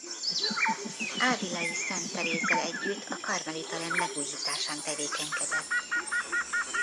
Ávilai Szent Terézzel együtt a karmelita rend megújításán tevékenykedett.